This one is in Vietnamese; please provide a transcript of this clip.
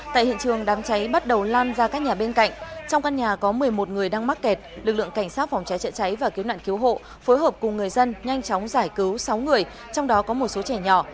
tại hiện trường đám cháy bắt đầu lan ra các nhà bên cạnh trong căn nhà có một mươi một người đang mắc kẹt lực lượng cảnh sát phòng cháy chữa cháy và cứu nạn cứu hộ phối hợp cùng người dân nhanh chóng giải cứu sáu người trong đó có một số trẻ nhỏ